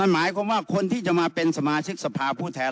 หมายความว่าคนที่จะมาเป็นสมาชิกสภาผู้แทน